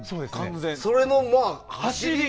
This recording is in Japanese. それのまあ、走り。